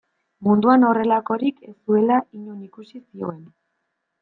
Munduan horrelakorik ez zuela inon ikusi zioen.